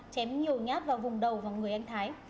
chém nhiều nhát vào vùng đầu và người anh thái